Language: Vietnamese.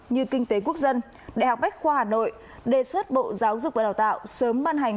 như kinh tế quốc dân đại học bách khoa hà nội đề xuất bộ giáo dục và đào tạo sớm ban hành